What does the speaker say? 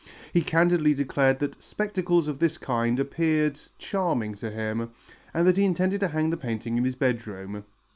He candidly declared that "spectacles of this kind appeared charming to him" and that he intended to hang the painting in his bedroom.